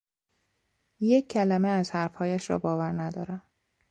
یک کلمه از حرفهایش را باور ندارم.